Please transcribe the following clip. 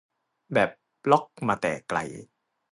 แบบล็อกมาแต่ไกล